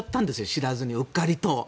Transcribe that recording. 知らずにうっかりと。